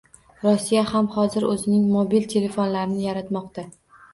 Rossiya ham hozir oʻzining mobil telefonlarini yaratmoqda.